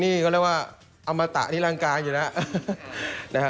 นี่ก็เรียกว่าอมมาตะที่ร่างกายอยู่แล้ว